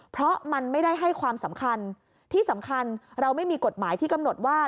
เพราะมันไม่ได้ให้ความสำคัญที่สำคัญเราไม่มีกฎหมายที่กำหนดว่า